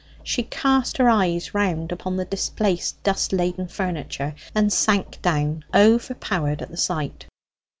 She cast her eyes round upon the displaced, dust laden furniture, and sank down overpowered at the sight.